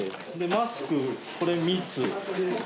マスク、これ３つ。